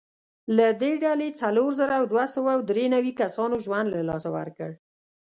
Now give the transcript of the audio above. له دې ډلې څلور زره دوه سوه درې نوي کسانو ژوند له لاسه ورکړ.